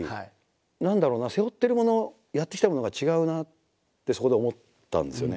何だろうな背負ってるものやってきたものが違うなってそこで思ったんですよね。